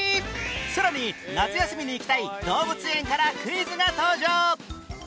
さらに夏休みに行きたい動物園からクイズが登場